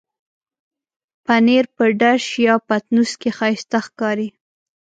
پنېر په ډش یا پتنوس کې ښايسته ښکاري.